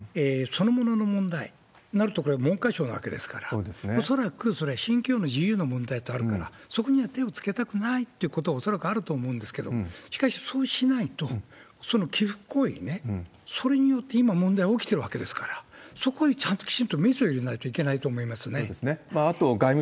それ宗教法人そのものの問題になると、これは文科省なわけですから、恐らくそれは宗教の自由の問題ってあるから、そこには手をつけたくないってことが恐らくあると思うんですけれども、しかし、そうしないと、その寄付行為ね、それによって今問題が起きてるわけですから、そこにちゃんと、きちんとメスを入れないといけないと思いますね。